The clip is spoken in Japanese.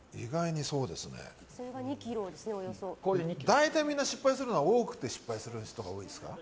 大体みんな失敗するのは多くて失敗する人が多いですか？